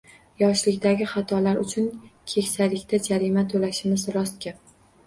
Yoshlikdagi xatolar uchun keksalikda jarima to’lashimiz rost gap.